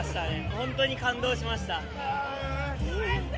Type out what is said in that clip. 本当に感動しました。